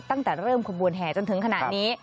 ตั้งแต่เริ่มขบวนแห่จนถึงขณะนี้